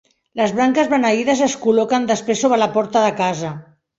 Les branques beneïdes es col·loquen després sobre la porta de casa.